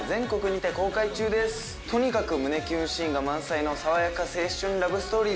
とにかく胸きゅんシーンが満載の爽やか青春ラブストーリーです。